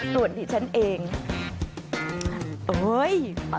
ส่วนที่ฉันเองโอ๊ย